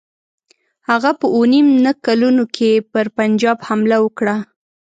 هغه په اووه نیم نه کلونو کې پر پنجاب حمله وکړه.